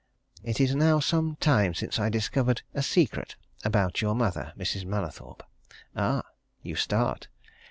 It is now some time since I discovered a secret about your mother, Mrs. Mallathorpe. Ah, you start!